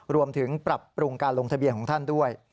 รวมถึงปรับปรุงการลงทะเบียนของท่านด้วย